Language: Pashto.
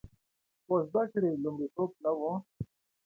خو زده کړې لومړیتوب نه و